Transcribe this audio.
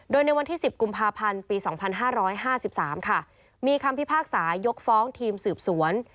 โดยในวันที่๑๐กุมภาพันธ์ปี๒๕๕๓ค่ะมีคำพิพากษายกฟ้องทีมสืบสวน